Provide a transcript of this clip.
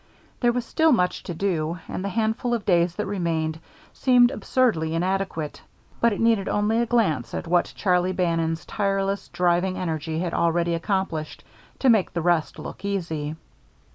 There was still much to do, and the handful of days that remained seemed absurdly inadequate; but it needed only a glance at what Charlie Bannon's tireless, driving energy had already accomplished to make the rest look easy.